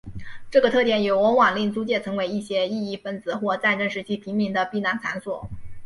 这个特点也往往令租界成为一些异议份子或战争时期平民的避难场所。